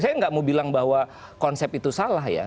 saya nggak mau bilang bahwa konsep itu salah ya